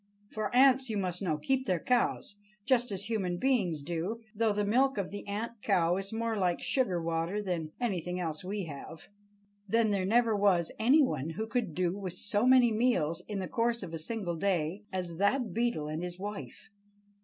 For ants, you must know, keep their cows, just as human beings do, though the milk of the ant cow is more like sugar water than anything else we have. Then there never was any one who could do with so many meals in the course of a single day as that Beetle and his wife.